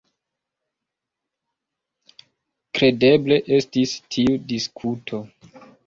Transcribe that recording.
Kredeble estis tiu diskuto.